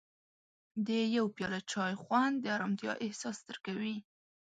د یو پیاله چای خوند د ارامتیا احساس درکوي.